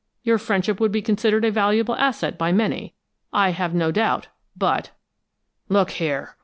"Your friendship would be considered a valuable asset by many, I have no doubt, but " "Look here!"